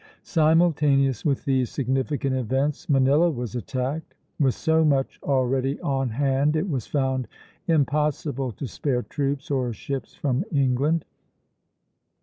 Simultaneous with these significant events, Manila was attacked. With so much already on hand, it was found impossible to spare troops or ships from England.